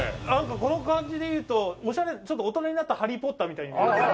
この感じでいうとオシャレちょっと大人になったハリー・ポッターみたいに見えます。